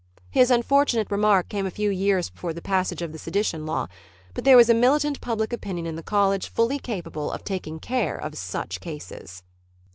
His unfortunate remark came a few years before the passage of the sedition law, but there was a militant public opinion in the college fully capable of taking care of such cases.